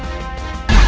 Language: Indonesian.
jangan pakai yang itu